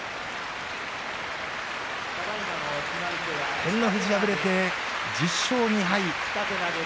照ノ富士、敗れて１０勝２敗。